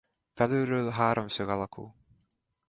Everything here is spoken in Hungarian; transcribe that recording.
Felülről háromszög alakú.